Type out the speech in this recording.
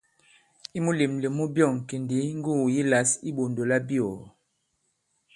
I mulèmlèm mu byɔ̑ŋ kì ndi ŋgugù yi lǎs i iɓɔ̀ndò labyɔ̀ɔ̀.